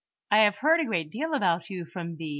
"I have heard a great deal about you from B.